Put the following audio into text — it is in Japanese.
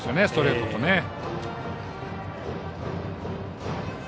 ストレートとね。